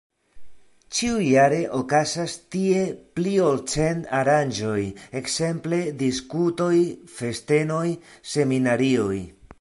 Ĉiujare okazas tie pli ol cent aranĝoj, ekzemple diskutoj, festenoj, seminarioj.